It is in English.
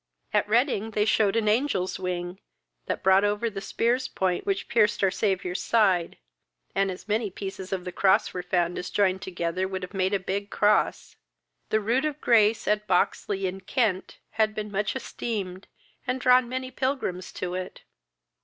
"At Reading they shewed an angel's wing, that brought over the spear's point which pierced our Saviour's side, and as many pieces of the cross were found as joined together would have made a big cross. The rood of grace, at Boxley, in Kent, had been much esteemed, and drawn many pilgrims to it.